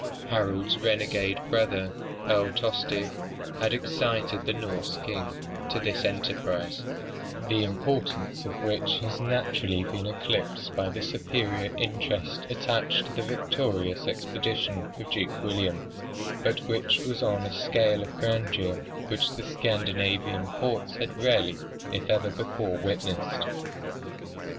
Harold's renegade brother, Earl Tostig, had excited the Norse king to this enterprise, the importance of which has naturally been eclipsed by the superior interest attached to the victorious expedition of Duke William, but which was on a scale of grandeur which the Scandinavian ports had rarely, if ever, before witnessed.